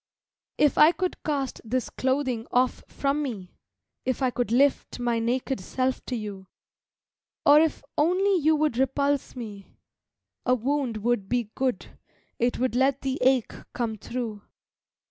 If I could cast this clothing off from me, If I could lift my naked self to you, Or if only you would repulse me, a wound would be Good; it would let the ache come through.